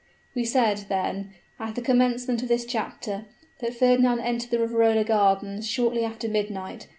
We said, then, at the commencement of this chapter that Fernand entered the Riverola gardens shortly after midnight.